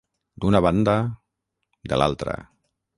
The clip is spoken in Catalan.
D'una banda..., de l'altra.